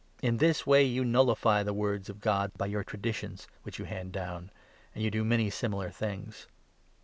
In this way you nullify the words of God by your traditions, which you hand down ; and you do many similar things."